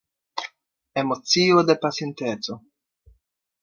Emocio de pasinteco.